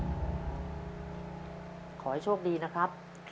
เชิญน้องเมมาต่อชีวิตเป็นคนต่อไปครับ